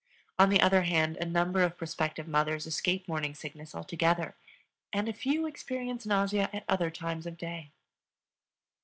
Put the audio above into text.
On the other hand, a number of prospective mothers escape morning sickness altogether, and a few experience nausea at other times of day.